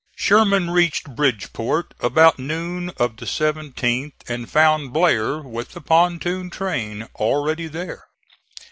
Sherman reached Bridgeport about noon of the 17th and found Blair with the pontoon train already there.